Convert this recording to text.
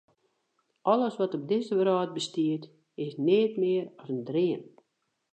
Alles wat op dizze wrâld bestiet, is neat mear as in dream.